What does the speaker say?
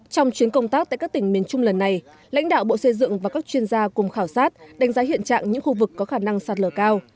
trong chuyến công tác tại các tỉnh miền trung lần này lãnh đạo bộ xây dựng và các chuyên gia cùng khảo sát đánh giá hiện trạng những khu vực có khả năng sạt lở cao